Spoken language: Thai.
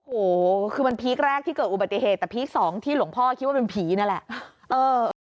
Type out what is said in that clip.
โอ้โหคือมันพีคแรกที่เกิดอุบัติเหตุแต่พีคสองที่หลวงพ่อคิดว่าเป็นผีนั่นแหละ